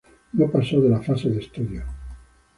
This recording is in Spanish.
No pasó de la fase de estudio.